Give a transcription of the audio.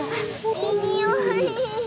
いい匂い。